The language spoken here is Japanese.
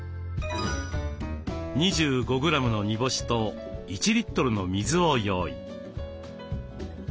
２５グラムの煮干しと１リットルの水を用意。